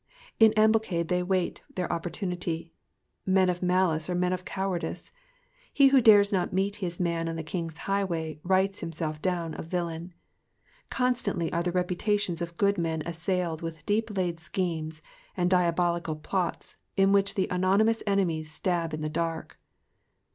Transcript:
^'* In ambuscade they wait their opportunity. Men of malice are men of cowardice. He who dares not meet his man on the king's highway, writes himself down a villain. Constantly are the reputations of good meit assailed with deep laid schemes, and diabolical plots, in which the anonymous enemies stab in the dark.